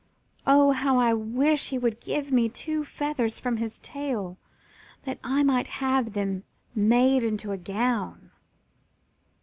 Oh, how I do wish he would give me two feathers from his tail that I might have them made into a gown!"